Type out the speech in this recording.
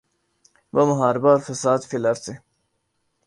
وہ محاربہ اور فساد فی الارض ہے۔